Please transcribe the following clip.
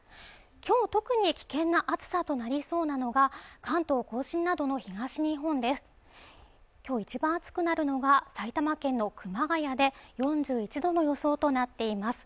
今日特に危険な暑さとなりそうなのが関東甲信などの東日本です今日一番暑くなるのが埼玉県の熊谷で４１度の予想となっています